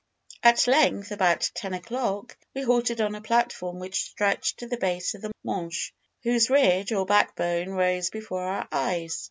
"At length, about ten o'clock, we halted on a platform which stretched to the base of the Mönch, whose ridge or backbone rose before our eyes.